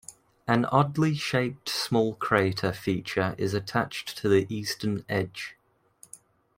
An oddly shaped small crater feature is attached to the eastern edge.